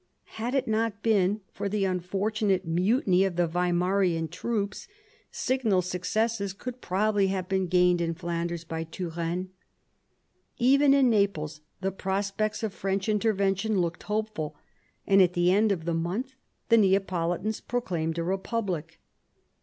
Had it not been for the unfortunate mutiny of the Weimarian troops, signal successes would probably have been gained in Flanders by Turenne. Even in Naples the prospects of French intervention looked hopeful, and at the end of ^the month the Neapolitans proclaimed a Eepublic.